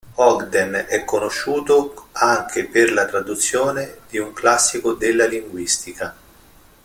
Ogden è conosciuto anche per la traduzione di un classico della linguistica.